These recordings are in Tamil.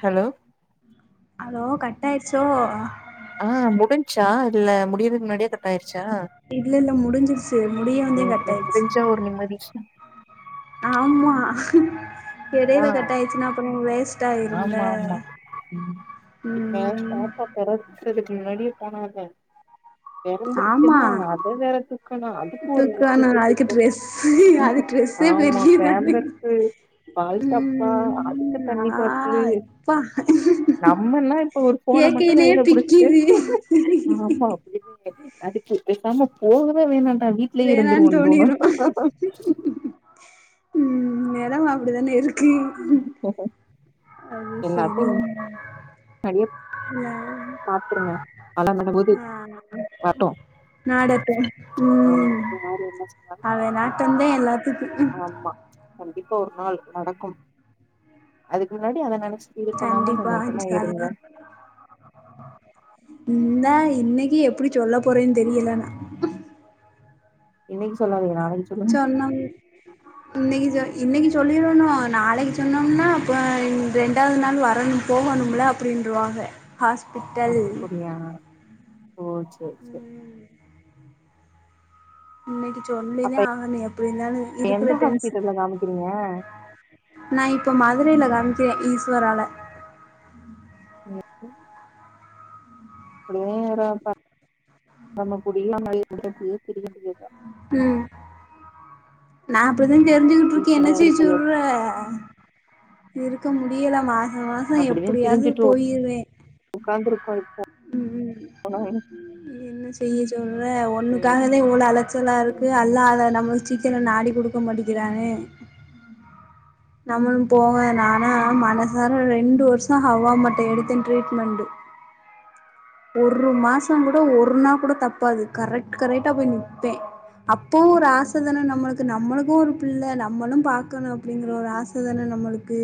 ஹலோ ஹலோ கட்டாய்சோ ஆ முடிஞ்ச்சா இல்ல முடியறதுக்கு முன்னாடியே கட்டாயிருச்சா இல்ல இல்ல முடிஞ்சிருச்சு முடியவுந்தா கட் ஆயிடுச்சு தா ஒரு நிம்மதி ஆமா அதா இடைல கட்டாயிடுச்சுனா அப்ப நிங் வேஸ் டாயிரும்ல ஆமா ஆமா ம் ஒ பெறதுக்கு முன்னாடியே போனாத ஆமா பெறந்துருச்சுனா அத வேற தூக்கணு அதுக்கு ஒரு தூக்கான லக்கேஜ்ஜ அதுக்கு தூக்கணு ட்ரெஸ் அது ட்ரெஸ்ஸே ஆமா பெரியதானே பேம்பர்சு பால்ஸ்டப்பா அதுக்கு ம் தண்ணி ஆ பா பாட்லு எப்பா நம்மன்னா இப்ப ஒரு போன மட்டு கேக்கையிலயே கைல புடுச்சு பிக்கிது ஆமா [unintelligible] நடிப்பு பேசாம போகவே வேணானா நா வீட்லயே வேணான்னு இருந்துருவோன்றோமா தோணிரு ம் நிலம அப்டிதானே இருக்கு ஓ ஹோ அது சேரிங் கனியப் [unintelligible] பாத்ருங்க அல்லா நும் போது ஆ வரட்டு நாடகம் ஆமா ம் யாரு என்ன அவ சொன்னாலு நாட்டம்தான் எல்லாத்துக்கு ம் [inaudible] ஆமா கண்டிப்பா ஒரு நாள் நடக்கு அதுக்கு முன்னாடி அத நெனச்சு ஃபீல் பண்ணாம கண்டிப்பா சந்தோஷமா இருங்க [unintelligible] ன்னா இன்னைக்கு எப்டி சொல்ல போறேன்னு தெரியல நா இன்னைக்கு சொல்லாதீங்க நாளைக்கு ச் சொன்னோம் இன்னக்கி சொ இன்னக்கி சொல்லிறணு நாளைக்கு சொன்னோம்னா அப்ப ரெண்டாவது நாள் வரணு போகணும்மல அப்படின்றவாங்க ஹாஸ்பிட்டல் அப்டியா ஓ செர் செ இன்னைக்கு அப்ப சொல்லிதே ஆகனும் எப்படிந்தானு இருக்கிற எந்த டென்ஸ் ஹாஸ்பிட்டல்ல காமிக்கிறீங்க நா இப்போ மதுரையில காவமிக்கிறே ஈஸ்வரால [inaudible] அப்டியே வேற பா நம்ம குடிய நம்மளே [inaudible] தெரிய முடியத ம் நா அப்டித்தான் கெஞ்சுகிட்டு இருக்கே வீட்ல என்ன செய் இருக்க முடியாது சொல்ற இருக்க முடியல மாசொ மா அப்டிதனு திரிஞ்சுட்டு உக்காந்துருக்கோ இப்போ [inaudible] என்ன செய்ய சொல்ற ஒண்ணுக்காக தே‌ இவ்ளோ அலச்சலா இருக்கு அல்லா அத நம்ம சீக்ரொ நாடி கொடுக்க மாட்டிக்கிறானே நம்மளும போக நானே மனசார ரெண்டு வருஷொ ஹவ்வா மாட்ட எடுத்தே ட்ரீட்மெண்ட் ஒரு மாசொ கூட ஒரு நா கூட தப்பாது கரெக்ட் கரெக்ட்டா போய் நிப்பே அப்பவு ஒரு ஆசதான நம்மளுக்கு நம்மளுக்கும் ஒரு பிள்ள நம்மளு பாக்கணு அப்டிங்கிற ஒரு ஆசதானக் நம்மளு க்கு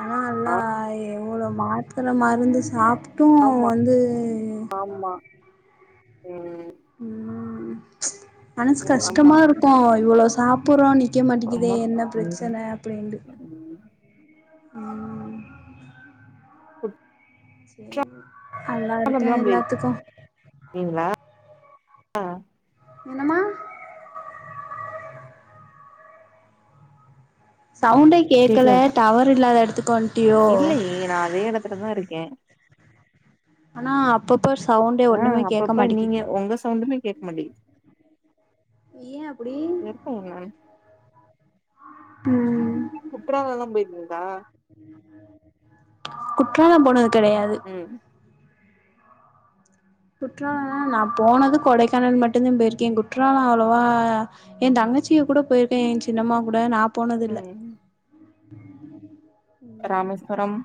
ஆனா அல்லா எவ்ளோ மாத்தர மருந்து சாப் ஆமா ஆமா ம் ம் மனசு ம் ஆமா கஷ்டமா இருக்கும் இவ்வளோ சாப் புறோ நிக்க மாட்டிக்கிதே ஆமா என்ன ம் பிரச்சன அப்டின்ட் ம் குட் ஓகே அல்லாருக்கே எல்லாத்துக்கும் நீங்களா ஆ என்னம்மா சவுண்டே கேக்கல கேக்குதாக்கா டவர் இல்லாத எடத்துக்கு வந் இல்லையே நா அதே எடத்துல தா இருக்கே ஆனா அப்பப்ப சவுண்டே ஆ ஒண்ணுமே கேட்க அப்பப்ப மாட்டிக்கு நீங்க உங்க சவுண்டுமே கேட்க மாட்டேங்குது ஏன் அப்டி செருப்பு என்னான்னு உம் குப்றவாதொ பெயிட்ருக்கா குற்றாலம் போனது கெடையாது ம் குற்றாலம் நா போனது கொடைக்கானல் மட்டும்தா பெயிருக்கேன் குற்றாலம் அவ்ளோவா என் தங்கச்சிய கூட பெயிருக்கே என் சின்னம்மா கூட நா போனது இல்ல ம் ராமேஸ்வரம்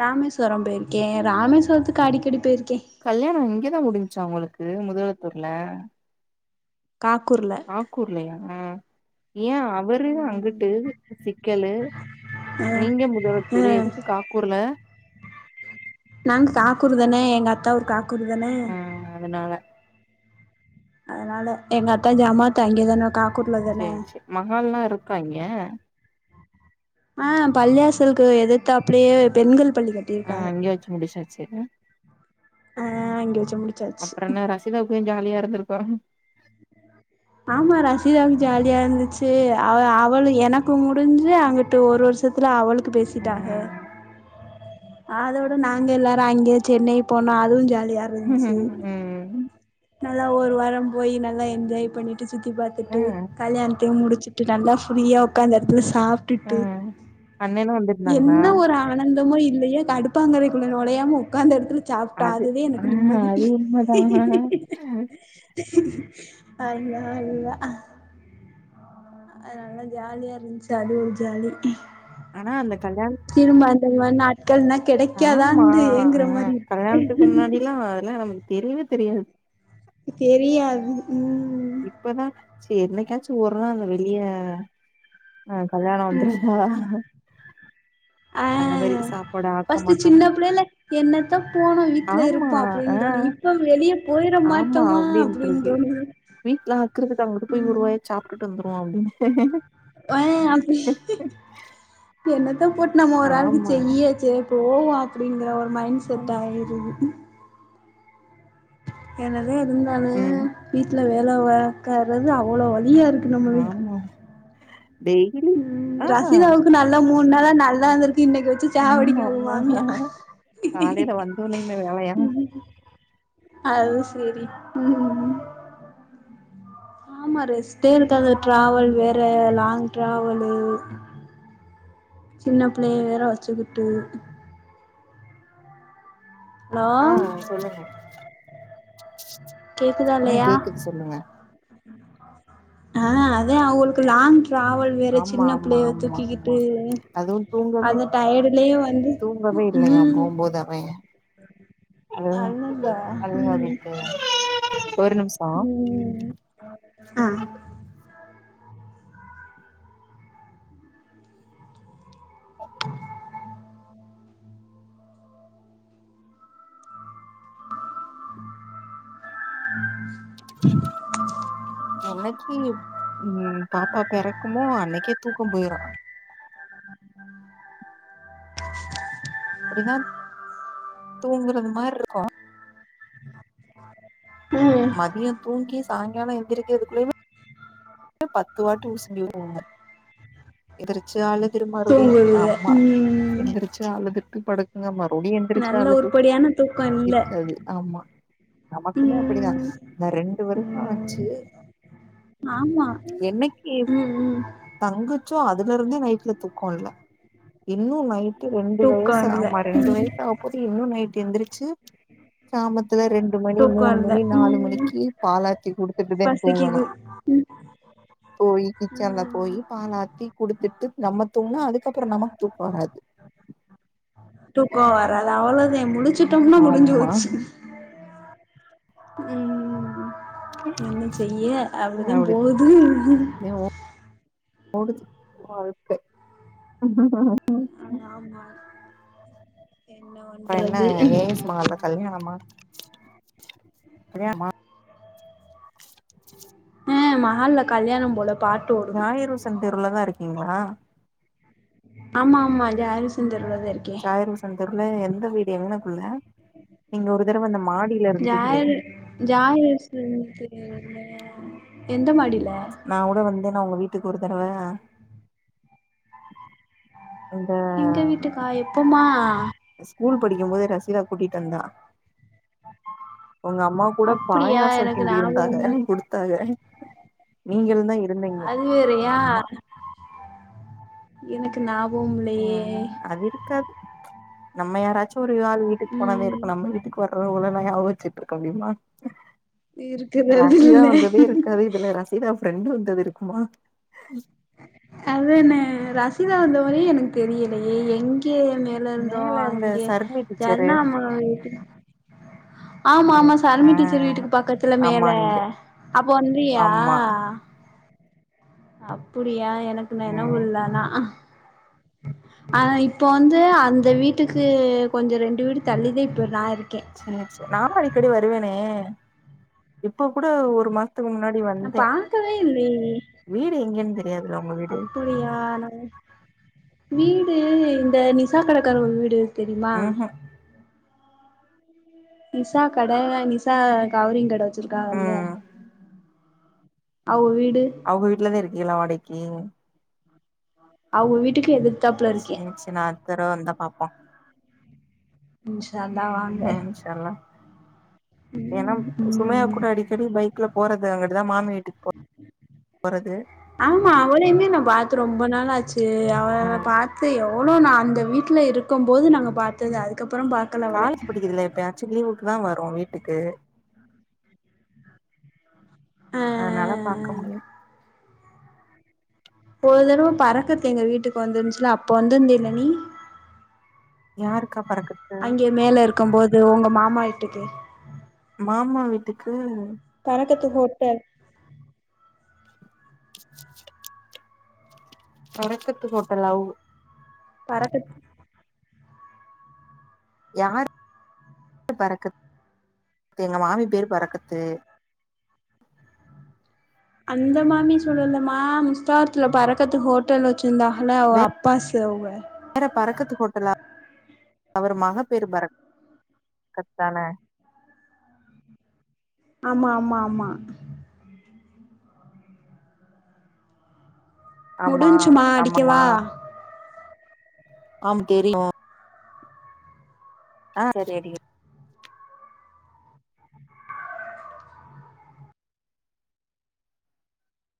ராமேஸ்வரம் பெயிருக்கே ராமேஸ்வரத்துக்கு அடிக்கடி பெயிருக்கே கல்யாணம் இங்கதா முடிஞ்சுச்சா ஒங்களுக்கு முதலத்தூர்ல காக்கூர்ல ஆக்கூர்லையா ஆ ஏன் அவரு அங்குட்டு சிக்கலு நீங்க அ முதலத்தூர் எதுக்கு காக்கூர்ல நாங்க் காக்கூர்தான எங்க அத்த ஊர் காக் ஆ அதனால அதனால எங்க அத்த ஜமா அத்த அங்கேதான இக்கா செர் செ மஹால்லாம் இருக்கா இங்க ஆ பள்ளியாசலுக்கு எதித்தாப்லே பெண்கள் பள்ளி கட்டியிருக்காக படிச்சு முடிச்சாச்சு அ ஆ அங்கே வச்சு முடி அப்பற என்ன ரசிதாவுக்கு ஜாலியா இருந்துருக்கூ ஆமா ரசிதாவுக்கு ஜாலியா இருந்துச்சு அவ அவளு எனக்கு முடிஞ்சு அங்கிட்டு ஒரு வருஷத்துல அவளுக் க்கு பேசிட்டாக ம் அதோட நாங்க எல்லாரு அங்கே சென்னை போனோ அதுவு ஜாலியா ம்ஹும் இருந்துச்சு ம்ஹும் ம் நல்லா ஒரு வாரம் போய் நல்லா என்ஜாய் பண்ணிட்டு சுத்தி ஆ பாத்துட்டு கல்யாண் து முடிச்சுட்டு நல்லா ஃப்ரீயா உக்காந்து அத்டத்துல சாப் ஆ டுட்டு அண்ணனு வந்திருந்தாங்களா என்ன ஒரு ஆ ஆனந்தமோ இல்லையோ எனக் அடுப்பாங்கறைக்குள்ள நொழையாம உட்காந்த எடத்துல சாப்ட்டோ அது அதுவே ஆ எனக்கு நிம்மதி அது உண்மதான் ஹ ஹ அல்லா அல்லா அது நல்லா ஜாலியா இருந்துச்சு அது ஒரு ஜாலி ஆனா அந்த கல்யாண திரும்ப அந்த மாரி நாட்கள்னா ஆமா கெடைக்காதான்டு ஏங்குற மாரி இருக்கு எல்லா அதல்லா நமக் தெரியவே தெரியாது தெரியாது ம் இப்பதா செரி என்னைக்காச்சு ஒரு நாள் வெளிய ஆ கல்யாணொ வந்துராதா அ சாப்பாடு ஆக்க ஃபஸ்டு மாட்டாமா சின்ன புள்ளைல என்னத்த போனோ வீட்ல ஆமா இருப்போ அப்டின் ஆ தோனு இ ப்ப வெளிய போயிர ஆமா மாட்டமா அப்டின் அப்டின்ட்ருக்கு தோணுது வீட்ல ஆக்குறதுக்கு அங்குட்டு போய் ஒரு ம் வாயா சாப்டுட்டு வந்துருவோ அப்டின்னு ஏ அப்டி என்னத்த போட் நம்ம ஒரு ஆளுக்கு ஆமா செய்ய சே போவோ அப்டிங்கிற ஒரு மைண்ட் செட் ஆயிருது என்னதா இருந்தாலு ம் வீட்ல வேல பாக்கறது அவ்வளோ வழியா இருக் ஆமா டெய்லி ம் ஆ ரசிதாவுக்கு நல்லா மூண் நாளா நல்லாருந்துருக்கு இன்னைக்கி வச்சி செ ஆமா சாவடிக்கு அவுக மாமியா ஆமா காலையில வந்தோனையுமே வேலையா அது செரி ம் ம் ம் ஆமா ரெஸ்ட்டே இருக்காது ட்ராவல் வேற லாங் ட்ராவலு சின்ன புள்ளைய வேற வச்சுக்குட்டு ஹலோ ஆ சொல்லுங்க ஆ கேக்குதால்லையா கேக்குது சொல்லுங்க ஆ அதேன் அவுஹளுக்கு லாங் ட்ராவல் வேற ஆமா சின்ன ஆமா புள்ளைய ஆமா ஆமா தூக்கிகிட்டு அதுவு தூங்கவே அந்த டயடுலயு வந்து தூங்கவே இல்லையா ம் போம்போது அவ அழுக அன்னன்ட ம் அழுகாவிட்டு ஒரு நிமிஷோ ம் அ ஹாம் எனக்கி ம் பாப்பா பெறக்குமோ அன்னைக்கே தூக்கம் போயிரு அப்டிதா தூங்குறது மார்ருக்கூ ம் மதியந் தூங்கி சாயங்காலொ எந்திரிக்கறதுக்குள்ளயுமே பத்து வாட்டி உசுப்பி விடுவாங்க எதுரிச்சு அழுது திரும்மறுபடியு தூங்குதுக அம்மா ம் எந்துரிச்சி அழுதுட்டு படுக்குங்க மறு பொடி எந்திரிச்சா நல்ல அல்லது உருப்படியான தூக்கோ இல்ல இருக்காது ஆமா ம் நமக்குமே அப்பிடிதா இந்த ரெண்டு வருஷோ ம் ஆச்சு ஆமா. என்னக்கிப் ம் ம் தங்குச்சோ அதுல இருந்தே நைட்ல தூக்கோ இல்ல. இன்னு நை ட்டு ரண்டு தூக்கோ வயசு இல்ல ஆமா ரெண்டு ம் வயசு ஆவ போது இன்னு நைட்டு எந்திரிச்சு சாம த்துல ரெண்டு மணி தூக்கோ மூணு இல்ல மணி நாலு ம் மணிக்கி பால் ஆத்தி குடுத்துட்டுதா தூங்கணு. பசிக்குது ம். போயி கிச்சன்ல ம் போயி பால் ஆத்தி குடுத்துட்டு நம்ம தூங்னா அதுக்கப்புறோ நமக் தூக்கோ வராது. தூக்கோ வராது அவ்ளோதே முழிச்சிட்டம்னா முடிஞ்சு ஆமா போச்சு. ன்ன செய்ய அப்டிதா அப்படிதா போது. ஓடுது வாழ்க்க. ஆமா என்ன அப்புறோ என்ன பண்றது. ஏ எஸ் மஹால்ல கல்யாணமா கல்யாண்மா அ மஹால்ல கல்யாணம் போல. பாட்டு ஓடுது ஜாயிர் உசேன் தெருவுலதா இருக்கிங்களா? ஆமாமா ஜாயிர் உசேன் தெருவுல தா இரு ஜாயிர் உசேன் தெருவுல எந்த வீடு எங்னக்குள்ள? நீங்க ஒரு தடவ இந்த மாடி ஜாரு ஜாரு உசேன் தெருவுல எந்த மாடில? நா கூட வந்தே நா உங்க வீட்டுக்கு ஒரு தடவ. இந்த எங்க வீட்டுக்கா எப்பம்மா? ஸ்கூல் படிக்கும் போதே ரசிதா கூட்டிட் வந்தா. உங்க அம்மா கூட அப்படியா பாயாசோ எனக்கு ஞாபகம் கிண்டிருந்தாங்க இல்ல குடு த்தாக நீங்குளுந்தா இருந்திங்க அது வேறயா ஆம்மா. எனுக்கு ஞாவோம் இல் ம் அது இருக்காது நம்ம யாராச்சு ஒரு யாள் வீட்டுக்கு போனாதே ம் இருக்கு நம்ம வீட்டுக்கு வர்றவகள எல்லா ஞாபகொ வெச்சிட்ருக்க முடிமா? இருக்கிறது ரசிதா இல்ல வந்ததே இரு க்காது. இதுல ரசிதா ஃப்ரெண்டு வந்தது இருக்குமா? அதுன ரசிதா வந்த மரியே எனக் தெரியலையே எங்கே மே ல இருந்தோ மேல இந்த அங்கே சர்மி டீச்சரு என்னாமா இப்பிடி அங் ஆமாமா ஆ சருமி டீச்சர் வீட்டுக்கு பக்கத்துல மேல ஆமா அங்க அப்ப வந்தியா? ஆமா அப்புடியா எனக்கு நெனவு ம் இல்ல ஆனா. ஆ இப்ப வந்து அந்த வீட்டுக்கு கொஞ்சோ ரெண்டு வீடு தள்ளிதா இப்ப நா இருக்கே. சேர் சே நானு அடிக்கடி வருவேனே இப்ப கூட ஒரு மாசத்துக்கு முன்னாட் நா பாக்கவே இல்லியே வீடு எங்கன்னு தெரியாதுல உங்க வீடு அப்பிடியா நா வீடு இந்த நிசா கடக்காரர் வீடு தெரிமா? ம்ஹூம் நிசா கட நிசா கவுரிங் கட வெச்சிருக்காங்கள்ல. ம் அவுக வீடு. அவுங்க வீட்லதா இருக்கிகளா வாடைக்கி? அவுக வீட்டுக்கு எது சே சே நா அடுத் தடவ வந்தா பாப்போ. இன்ஷா அல்லா வாங்க ம் சொல்லு. ம் ஏனாப் சுமையா கூட அடிக்கடி பைக்ல போறது அங்குட்டுதா மாமி வீட்டுக் போ றது. ஆமா அவளையுமே நா பாத்து ரொம்ப நாளாச்சு அவ ஆ பாத்த எவ் ளோ நா அந்த வீட்ல இருக்கு போது நாங்க பாத்தது அதுக்கப்புறோ பா காலேஜ் படிக்குறதில எப்பயாச்சு லீவுக்கு தா வரு வீட்டுக்கு ஆ ஆ அதனால பாக்க ஆ முடியாது ஒரு தடவ பறக்கற எங்க வீட்டுக்கு வந்துருந்துச்சுல அப்ப வந்திருந்தேல நீ யாருக்கா பறக்கறது அங்கே மேல இருக்கும் போது உங்க மாமா வீட்டுக்கு மாமா வீட்டுக்கு பரக்கத்து ஹோட்டல் தொடக்கத்து ஹோட்டலவ் பரக்கத் யார் பரக்கத் எங்க மாமி பேர் பரக்கத்து அந்த மாமிய சொல்லலமா முஸ்தத்துல பரக்கது ஹோ ட்டல் வெச்சிருந்தாகல்ல அவுக அப்பாசு அவுக வேற பரக்கத்து ஹோட்டலா அவரு மக பேரு பரக்கத்தான ஆமா ஆமா ஆமா ஆமா முடிஞ்சுமா ஆமாமா அடிக்கவா ஆம் தெரியு ஆ தெரி